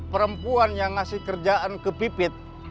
perempuan yang ngasih kerjaan ke pipit